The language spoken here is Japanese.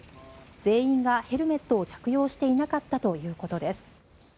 全員がヘルメットを着用していなかったということです。